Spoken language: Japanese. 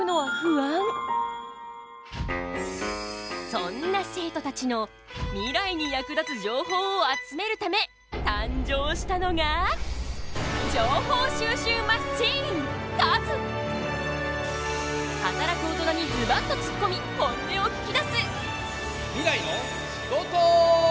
そんな生徒たちのミライに役立つ情報を集めるため誕生したのが働く大人にズバッとツッコミ本音を聞き出す！